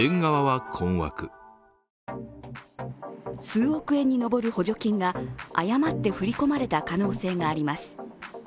数億円に上る補助金が誤って振り込まれた可能性があります。